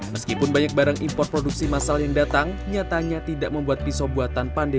meskipun banyak barang impor produksi masal yang datang nyatanya tidak membuat pisau buatan pandai